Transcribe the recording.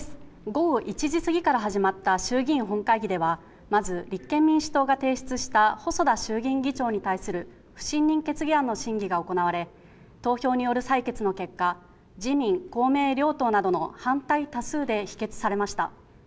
午後１時過ぎから始まった衆議院本会議では、まず、立憲民主党が提出した細田衆議院議長に対する不信任決議案の審議が行われ、投票による採決の結果、自民、公明両党などの反対多数で否決されました。